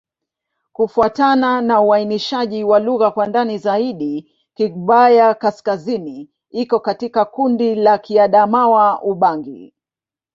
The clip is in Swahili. Kufuatana na uainishaji wa lugha kwa ndani zaidi, Kigbaya-Kaskazini iko katika kundi la Kiadamawa-Ubangi.